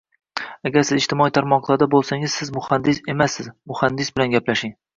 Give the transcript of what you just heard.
Agar siz ijtimoiy tarmoqlarda boʻlsangiz, siz muhandis emassiz, muhandis bilan gaplashing.